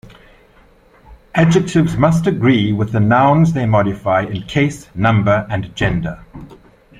Adjectives must agree with the nouns they modify in case, number, and gender.